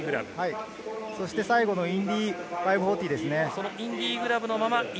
最後はインディ５４０ですね。